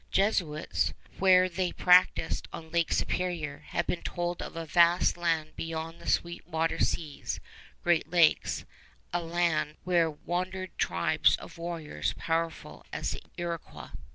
Jesuits, where they preached on Lake Superior, had been told of a vast land beyond the Sweet Water Seas, Great Lakes, a land where wandered tribes of warriors powerful as the Iroquois.